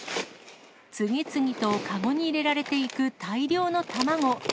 次々と籠に入れられていく大量の卵。